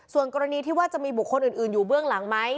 ส่วนกรณีที่ว่าจะมีบุคคลอื่นอยู่เบื้องหลังไหม